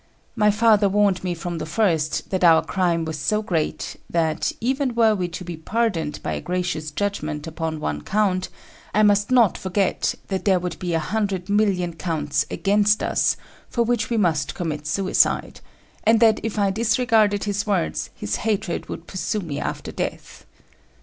My father warned me from the first that our crime was so great that, even were we to be pardoned by a gracious judgment upon one count, I must not forget that there would be a hundred million counts against us for which we must commit suicide: and that if I disregarded his words his hatred would pursue me after death.